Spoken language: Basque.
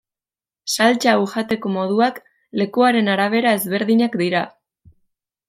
Saltsa hau jateko moduak lekuaren arabera ezberdinak dira.